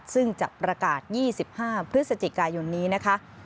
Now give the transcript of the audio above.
ซึ่งจะประกาศ๒๕พฤศจิกายนนี้นะคะ